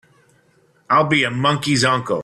I'll be a monkey's uncle!